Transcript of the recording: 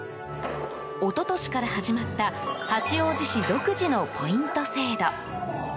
一昨年から始まった八王子市独自のポイント制度。